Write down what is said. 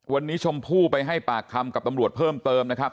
วันนี้ชมพู่ไปให้ปากคำกับตำรวจเพิ่มเติมนะครับ